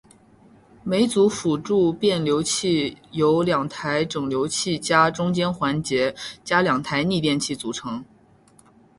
每组辅助变流器由两台整流器加中间环节加两台逆变器组成。